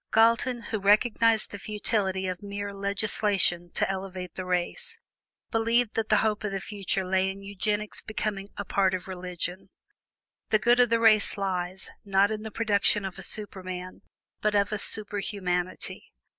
Galton, who recognized the futility of mere legislation to elevate the race, believed that the hope of the future lay in eugenics becoming a part of religion. The good of the race lies, not in the production of a super man, but of a super humanity.